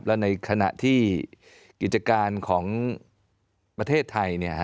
และในขณะที่กิจการของประเทศไทย